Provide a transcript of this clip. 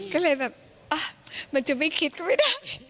ก็เลยแบบมันจะไม่คิดก็ไม่ได้